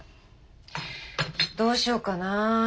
どうしようかな？